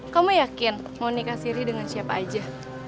kamu yakin mau nikah siri dengan siapa aja